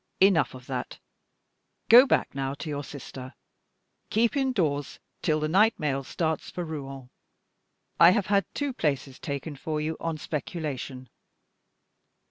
Enough of that! Go back now to your sister. Keep indoors till the night mail starts for Rouen. I have had two places taken for you on speculation.